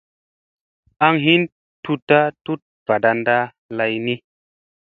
Aŋ hin tutta tut varanda lay ni.